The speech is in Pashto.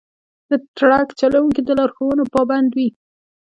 د ټرک چلوونکي د لارښوونو پابند وي.